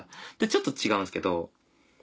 ちょっと違うんですけど。